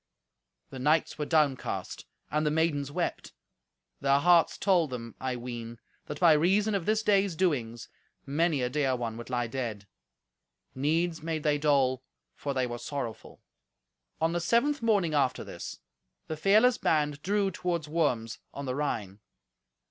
The knights were downcast, and the maidens wept. Their hearts told them, I ween, that by reason of this day's doings, many a dear one would lie dead. Needs made they dole, for they were sorrowful. On the seventh morning after this, the fearless band drew towards Worms on the Rhine.